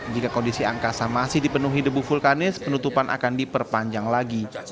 jika kondisi angkasa masih dipenuhi debu vulkanis penutupan akan diperpanjang lagi